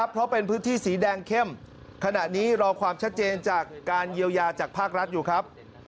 เพราะเป็นพื้นที่สีแดงเข้มขณะนี้รอความชัดเจนจากการเยียวยาจากภาครัฐอยู่ครับ